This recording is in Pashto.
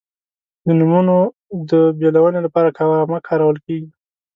د نومونو د بېلونې لپاره کامه کارول کیږي.